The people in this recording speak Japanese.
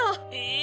え！